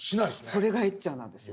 それがエッちゃんなんですよ。